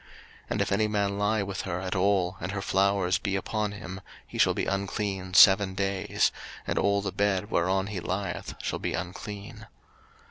03:015:024 And if any man lie with her at all, and her flowers be upon him, he shall be unclean seven days; and all the bed whereon he lieth shall be unclean.